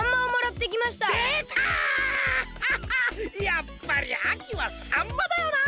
やっぱりあきはさんまだよな！